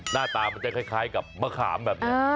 หน้าตามันจะคล้ายกับมะขามแบบนี้